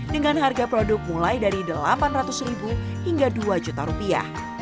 dengan harga produk mulai dari delapan ratus ribu hingga dua juta rupiah